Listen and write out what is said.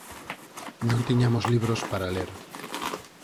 Non tiñamos libros para ler.